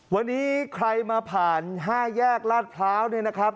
วันนี้ใครมาผ่าน๕แยกลาดพร้าวเนี่ยนะครับ